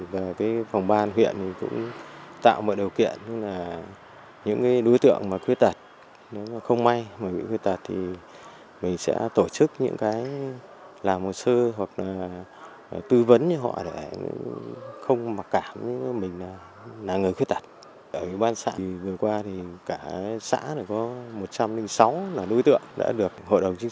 các phương tiện trên địa bàn tỉnh hải dương các hoạt động nhằm hỗ trợ cho người khuyết tật nói riêng luôn được triển khai thực hiện